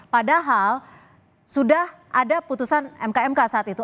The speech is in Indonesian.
padahal sudah ada putusan mkmk saat itu